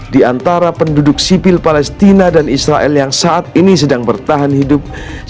di antara penduduk sipil palestina dan israel yang saat ini sedang bertahan hidup